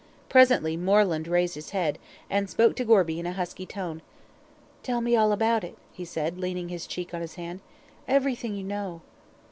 Presently Moreland raised his head, and spoke to Gorby in a husky tone. "Tell me all about it," he said, leaning his cheek on his hand. "Everything you know."